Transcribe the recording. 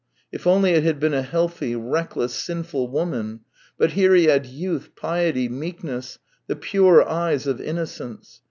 U only it had been a healthy, reckless, sinful woman; but here he had youth, piety, meek ness, the pure eyes of innocence.